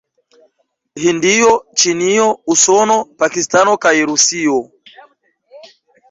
Hindio, Ĉinio, Usono, Pakistano kaj Rusio.